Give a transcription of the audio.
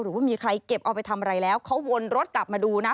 ว่ามีใครเก็บเอาไปทำอะไรแล้วเขาวนรถกลับมาดูนะ